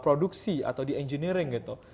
produksi atau di engineering gitu